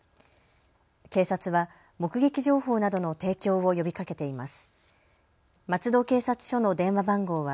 警察は目撃情報などの提供を呼びかけています。